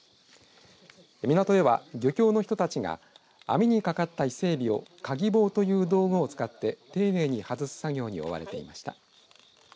港では漁協の人たちが網にかかった伊勢エビをカギ棒という道具を使って丁寧に外す作業に追われていました。